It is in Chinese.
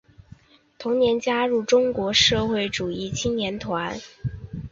同年加入中国社会主义青年团。